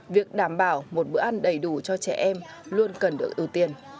việc đảm bảo một bữa ăn đầy đủ cho trẻ em luôn cần được ưu tiên